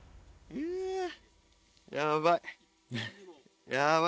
やばい。